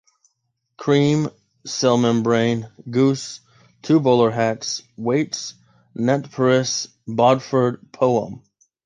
cream, cell membrane, goose, two bowler hats, weights, Nantperis, Bodffordd, poem